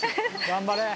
頑張れー。